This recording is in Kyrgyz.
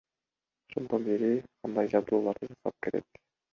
Ошондон бери ар кандай жабдууларды жасап келет.